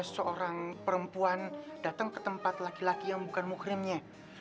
seorang perempuan datang ke tempat laki laki yang bukan mukrimnya